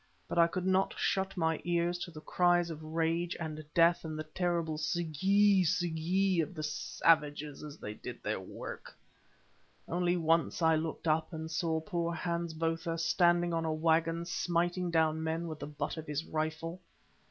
But I could not shut my ears to the cries of rage and death, and the terrible S'gee! S'gee! of the savages as they did their work of murder. Once only I looked up and saw poor Hans Botha standing on a waggon smiting down men with the butt of his rifle.